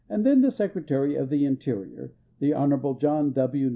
The then Secretary of the Interior, the Hon. John W.